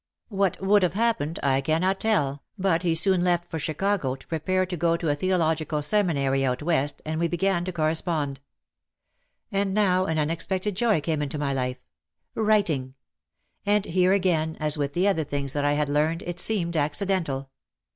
,, What would have happened I cannot tell, but he 296 OUT OF THE SHADOW soon left for Chicago to prepare to go to a theological seminary out West and we began to correspond. And now an unexpected joy came into my life. Writing! And here again, as with the other things that I had learned, it seemed accidental.